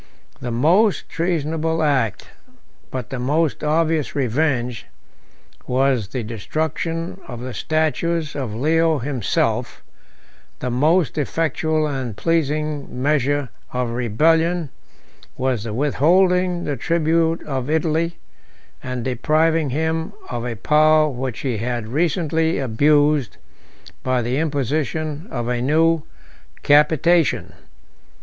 The most treasonable act, but the most obvious revenge, was the destruction of the statues of Leo himself: the most effectual and pleasing measure of rebellion, was the withholding the tribute of Italy, and depriving him of a power which he had recently abused by the imposition of a new capitation.